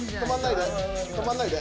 止まんないで。